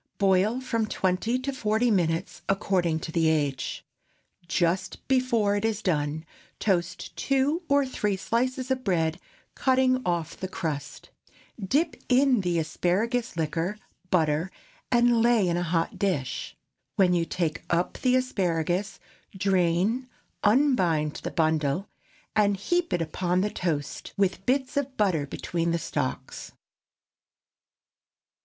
Boil from twenty to forty minutes, according to the age. Just before it is done, toast two or three slices of bread, cutting off the crust; dip in the asparagus liquor, butter, and lay in a hot dish. When you take up the asparagus, drain, unbind the bundle, and heap it upon the toast, with bits of butter between the stalks.